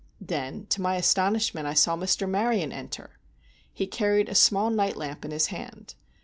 Then, to my astonishment, I saw Mr. Maryon enter. He carried a small night lamp in his hand.